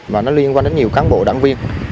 mà nó liên quan đến nhiều cán bộ đảng viên